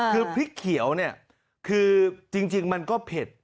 คือพริกเขียวจริงมันก็เผ็ด